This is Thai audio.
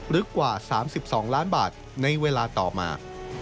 กว่า๓๒ล้านบาทในเวลาต่อมา